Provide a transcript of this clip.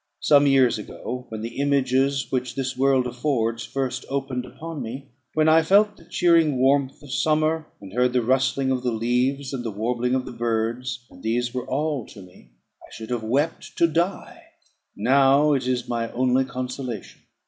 Some years ago, when the images which this world affords first opened upon me, when I felt the cheering warmth of summer, and heard the rustling of the leaves and the warbling of the birds, and these were all to me, I should have wept to die; now it is my only consolation.